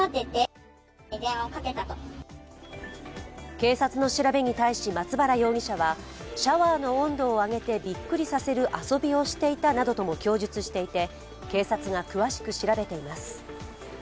警察の調べに対し松原容疑者は、シャワーの温度を上げてびっくりさせる遊びをしていたなどとも供述していて警察が詳しく調べています。